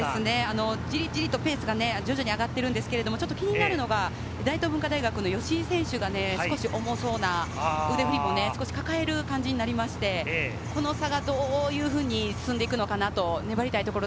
じりじりとペースが徐々に上がっているんですけれども、気になるのが大東文化大学の吉井選手が少し重そうな腕ふりも抱える感じになりまして、この差がどういうふうに進んでくるのかなと粘りたいところ。